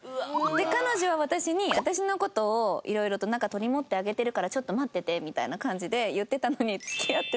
彼女は私に私の事を色々と仲取り持ってあげてるからちょっと待っててみたいな感じで言ってたのに。